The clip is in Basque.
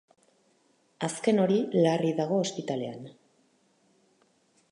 Azken hori larri dago ospitalean.